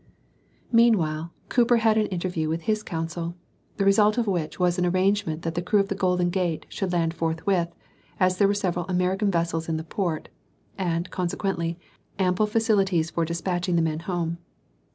Meanwhile, Cooper had had an interview with his consul, the result of which was an arrangement that the crew of the Golden Gate should land forthwith, as there were several American vessels in the port, and, consequently, ample facilities for despatching the men home.